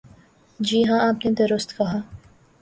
جی ہاں، آپ نے درست کہا۔